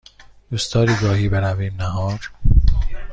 دوست داری گاهی برویم نهار؟